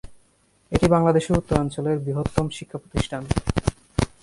এটি বাংলাদেশের উত্তরাঞ্চলের বৃহত্তম শিক্ষাপ্রতিষ্ঠান।